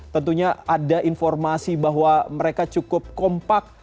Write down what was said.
tentunya ada informasi bahwa mereka cukup kompak